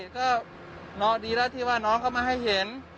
ก็ดีแล้วที่ว่าน้องเขามาให้เห็น